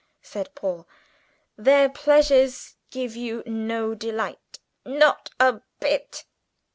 said Paul. "Their pleasures give you no delight " "Not a bit!"